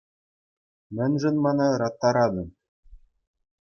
Мӗншӗн мана ыраттаратӑн?